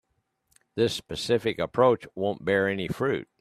This specific approach won't bear any fruit.